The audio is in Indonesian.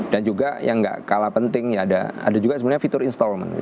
dan juga yang enggak kalah penting ya ada juga sebenarnya fitur installment gitu ya